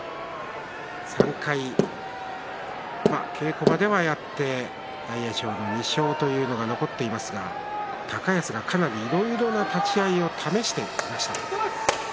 ３回、稽古場ではやって大栄翔の２勝というのが残っていますが高安が、かなりいろいろな立ち合いを試していました。